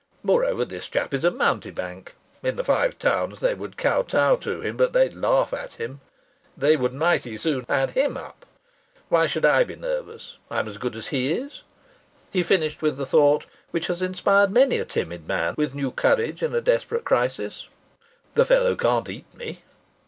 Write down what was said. Moreover, this chap is a mountebank. In the Five Towns they would kow tow to him, but they would laugh at him. They would mighty soon add him up. Why should I be nervous? I'm as good as he is." He finished with the thought which has inspired many a timid man with new courage in a desperate crisis: "The fellow can't eat me."